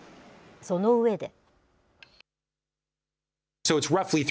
その上で。